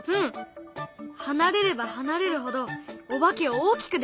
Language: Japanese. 離れれば離れるほどお化けを大きくできる！